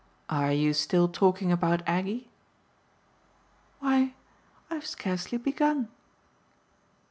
"Are you still talking about Aggie?" "Why I've scarcely begun!"